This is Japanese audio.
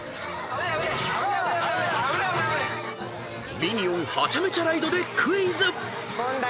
［ミニオン・ハチャメチャ・ライドでクイズ］